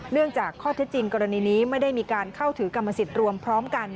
จากข้อเท็จจริงกรณีนี้ไม่ได้มีการเข้าถือกรรมสิทธิ์รวมพร้อมกัน